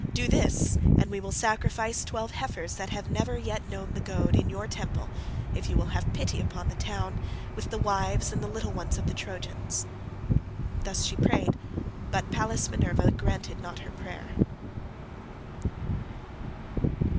Do this, and we will sacrifice twelve heifers that have never yet known the goad, in your temple, if you will have pity upon the town, with the wives and little ones of the Trojans." Thus she prayed, but Pallas Minerva granted not her prayer.